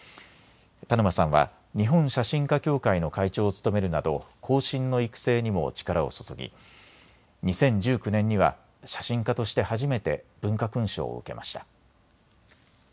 田沼さんは日本写真家協会の会長を務めるなど後進の育成にも力を注ぎ２０１９年には写真家として初めて文化勲章を受けました。